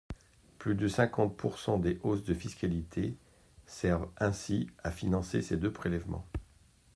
Plus de cinquante pourcent des hausses de fiscalité servent ainsi à financer ces deux prélèvements.